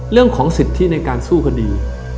เรื่องของสิทธิในการสู้คดี